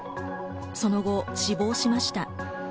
その後、死亡しました。